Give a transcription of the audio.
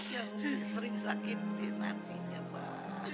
yang sering sakit di nantinya mbak